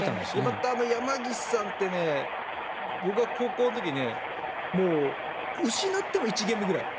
また山岸さんって僕、高校の時は失っても１ゲームくらい。